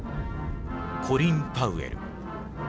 コリン・パウエル。